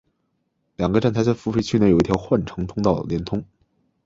两个站台在付费区内有一条换乘通道连通。